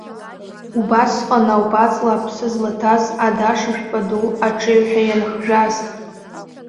Убасҟан ауп аҵла аԥсы злаҭаз адаш шәпа ду аҿеҩҳәа ианхжәаз.